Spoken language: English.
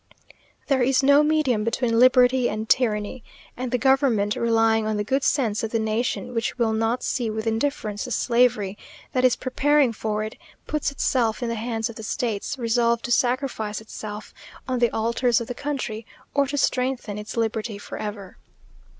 There is no medium between liberty and tyranny; and the government, relying on the good sense of the nation, which will not see with indifference the slavery that is preparing for it, puts itself in the hands of the states, resolved to sacrifice itself on the altars of the country, or to strengthen its liberty for ever.